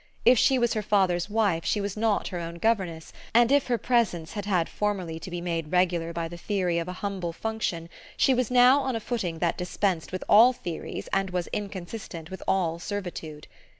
If she was her father's wife she was not her own governess, and if her presence had had formerly to be made regular by the theory of a humble function she was now on a footing that dispensed with all theories and was inconsistent with all servitude.